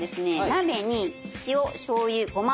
鍋に塩しょうゆごま